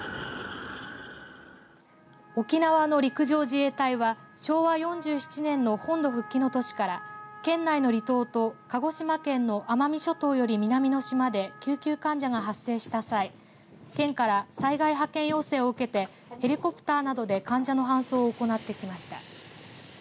沖縄の陸上自衛隊は昭和４７年の本土復帰の年から県内の離島と鹿児島県の奄美諸島より南の島で救急患者が発生した際県から災害派遣要請を受けてヘリコプターなどで患者の搬送を行ってきました。